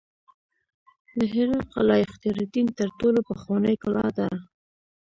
د هرات قلعه اختیارالدین تر ټولو پخوانۍ کلا ده